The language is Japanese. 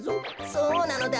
そうなのだ。